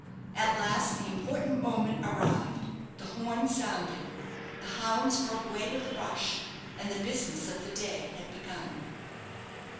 At last the important moment arrived, the horn sounded, the hounds broke away with a rush, and the business of the day had begun.